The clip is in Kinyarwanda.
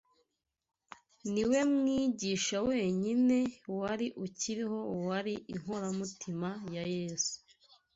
Ni we mwigisha wenyine wari ukiriho wari inkora mutima ya Yesu